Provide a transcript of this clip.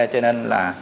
cho nên là